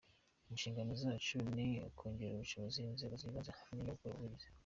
Inshingano zacu ni ukongerera ubushobozi inzego z’ibanze, hamwe no gukora ubuvugizi.